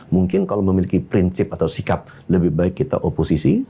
mungkin kalau memiliki prinsip atau sikap lebih baik kita oposisi